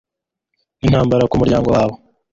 intambara ku muryango wawe